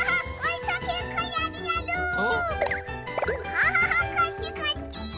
キャハハこっちこっち！